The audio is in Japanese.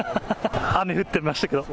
雨降ってましたけど。